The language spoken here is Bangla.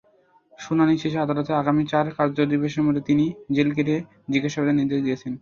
শুনানি শেষে আদালত আগামী চার কার্যদিবসের মধ্যে তিনদিন জেলগেটে জিজ্ঞাসাবাদের নির্দেশ দিয়েছেন।